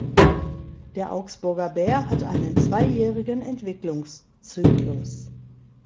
Der Augsburger Bär hat einen zweijährigen Entwicklungszyklus.